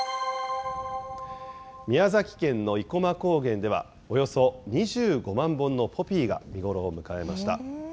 宮崎県の生駒高原では、およそ２５万本のポピーが見頃を迎えました。